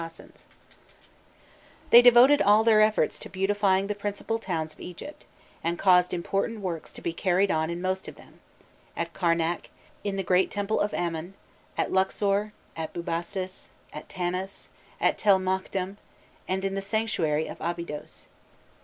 jpg THE COLOSSAL STATUE OF KING SOVKHOTPU IN THE LOUVRE] They devoted all their efforts to beautifying the principal towns of Egypt, and caused important works to be carried on in most of them at Karnak, in the great temple of Amon, at Luxor, at Bubastis, at Tanis, at Tell Mokhdam, and in the sanctuary of Abydos.